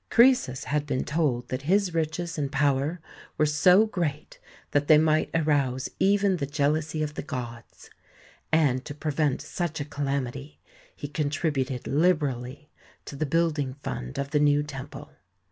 Croesus had been told that his riches and power were so great that they might arouse even the jealousy of the gods, and to prevent such a calam ity he contributed liberally to the building fund of the new temple.